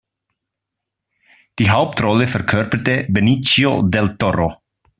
Die Hauptrolle verkörperte Benicio Del Toro.